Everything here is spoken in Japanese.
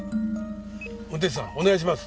運転手さんお願いします。